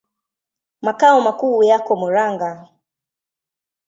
Makao makuu yako Murang'a.